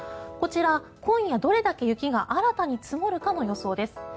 こちら、今夜、どれだけ雪が新たに積もるかの予想です。